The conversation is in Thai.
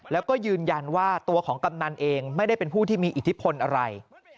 แล้วก็ยืนยันว่าตัวของกำนันเองไม่ได้เป็นผู้ที่มีอิทธิพลอะไร